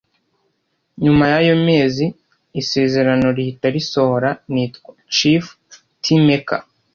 nyuma y’ayo mezi, isezerano rihita risohora nitwa CHIEF TEA MAKER.